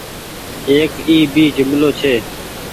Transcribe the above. ايڪ اي ڀي جملو ڇي